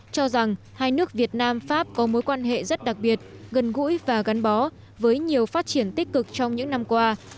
cho rằng hai nước việt nam pháp có mối quan hệ rất đặc biệt gần gũi và gắn bó với nhiều phát triển tích cực trong những năm qua